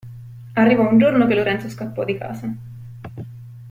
Arrivò un giorno che Lorenzo scappò di casa.